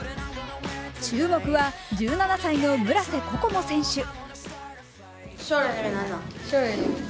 注目は１７歳の村瀬心椛選手。